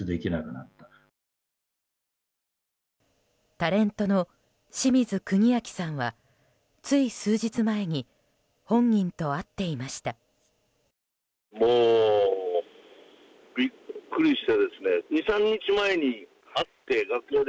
タレントの清水国明さんはつい数日前に本人と会っていました。